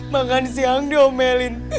makan siang diomelin